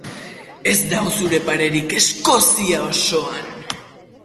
Ez dago zure parerik Eskozia osoan.